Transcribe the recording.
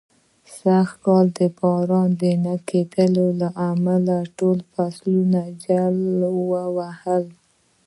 سږ کال د باران د نه کېدلو له امله، ټول فصلونه جل و وهل.